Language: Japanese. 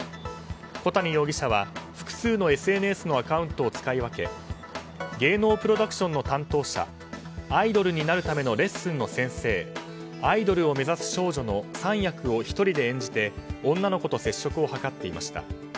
小谷容疑者は、複数のＳＮＳのアカウントを使い分け芸能プロダクションの担当者アイドルになるためのレッスンの先生アイドルを目指す少女の３役を１人で演じて女の子と接触を図っていました。